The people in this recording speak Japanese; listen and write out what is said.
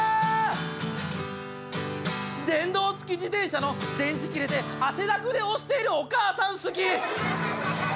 「電動付き自転車の電池切れて汗だくで押しているお母さん好き！」